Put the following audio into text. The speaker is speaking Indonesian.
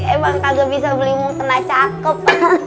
emang kagak bisa beli mukna cakep